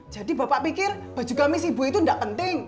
jadi bapak pikir baju gamis ibu itu nggak penting